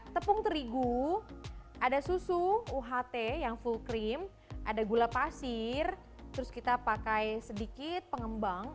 tepung terigu ada susu uht yang full cream ada gula pasir terus kita pakai sedikit pengembang